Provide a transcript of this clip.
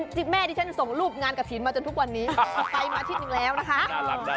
ที่แม่ที่ฉันส่งรูปงานกับถีนมาจนทุกวันนี้ไปมาที่นึงแล้วนะคะน่ารักได้